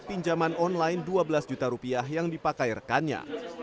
pinjaman online dua belas juta rupiah yang dipakai rekannya